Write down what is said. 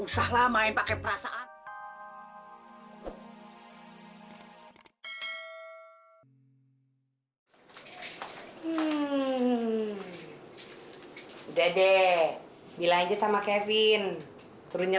sampai jumpa di video selanjutnya